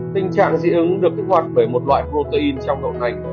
tình trạng dị ứng được kích hoạt bởi một loại protein trong đậu nành